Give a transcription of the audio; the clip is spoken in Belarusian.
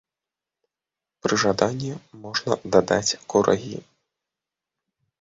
Пры жаданні можна дадаць курагі.